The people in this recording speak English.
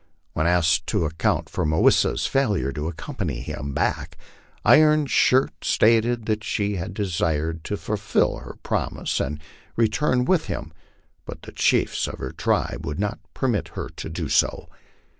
When asked to account for Mah wis sa's failure to accompany him back, Iron Shirt stated that she had desired to fulfil her promise and return with him, but the chiefs of her tribe would not permit her to do so.